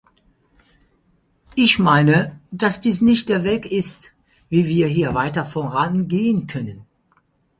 Ich meine, dass dies nicht der Weg ist, wie wir hier weiter vorangehen können.